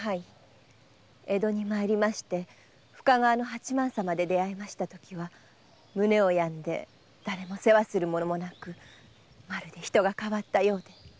江戸にきて深川・八幡様で出会ったときは胸を病んでだれも世話する者もなくまるで人が変わったようで。